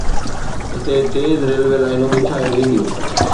هتي تيز ريلوي لائينون وڇايون وينديون.